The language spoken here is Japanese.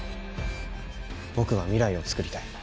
僕は未来をつくりたい。